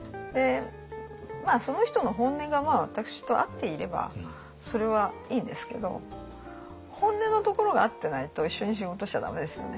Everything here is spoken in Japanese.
その人の本音が私と合っていればそれはいいんですけど本音のところが合ってないと一緒に仕事しちゃ駄目ですよね。